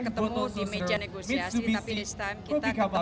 sehingga saya producing member yang masih be intertw trigger